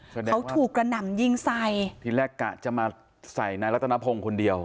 เขาถูกกระหน่ำยิงใส่ทีแรกกะจะมาใส่นายรัตนพงศ์คนเดียว